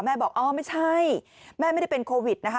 บอกอ๋อไม่ใช่แม่ไม่ได้เป็นโควิดนะคะ